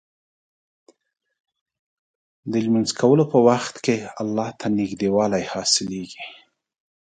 د لمونځ کولو په وخت کې الله ته نږدېوالی حاصلېږي.